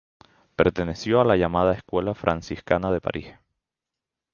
Perteneció a la llamada escuela franciscana de París.